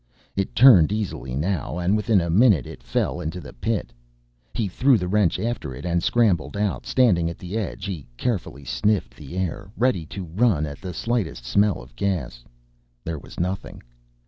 It turned easily now and within a minute it fell into the pit he threw the wrench after it and scrambled out. Standing at the edge he carefully sniffed the air, ready to run at the slightest smell of gas. There was nothing.